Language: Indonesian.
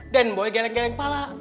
dan boy geleng geleng kepala